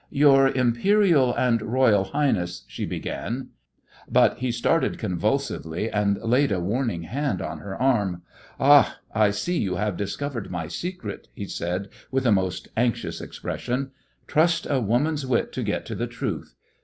"Your Imperial and Royal Highness" she began. But he started convulsively, and laid a warning hand on her arm. "Ah, I see you have discovered my secret," he said with a most anxious expression. "Trust a woman's wit to get to the truth.